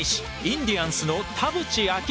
インディアンスの田渕章裕。